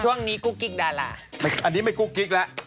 ช่วงนี้กุ๊กกิ๊กดารา